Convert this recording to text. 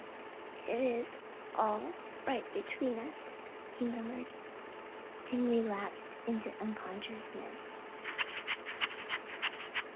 "It is all right between us," he murmured, and relapsed into unconsciousness.